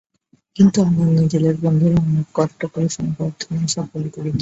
কিন্তু অন্যান্য জেলার বন্ধুরাও অনেক কষ্ট করে সংবর্ধনা সফল করে তোলেন।